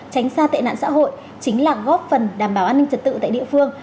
tránh xa tệ nạn xã hội chính là góp phần đảm bảo an ninh trật tự tại địa phương